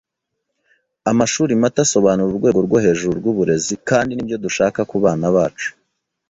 Amashuri mato asobanura urwego rwohejuru rwuburezi, kandi nibyo dushaka kubana bacu